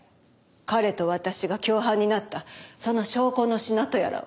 彼と私が共犯になったその証拠の品とやらを。